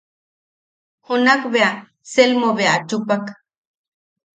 Junak bea Selmo bea a chupak.